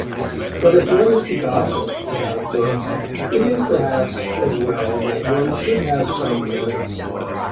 But if one is to gossip about books, it is, perhaps, as well that one should have some limits.